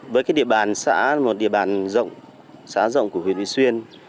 với cái địa bàn xã một địa bàn xã rộng của huyện vị xuyên